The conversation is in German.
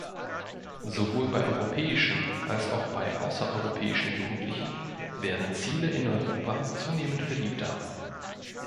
Sowohl bei europäischen als auch bei außereuropäischen Jugendlichen werden Ziele in Europa zunehmend beliebter.